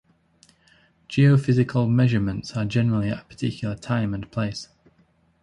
Geophysical measurements are generally at a particular time and place.